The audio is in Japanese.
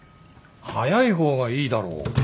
早い方がいいだろう。